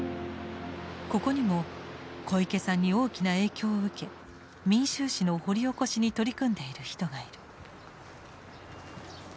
ここにも小池さんに大きな影響を受け民衆史の掘り起こしに取り組んでいる人がいる。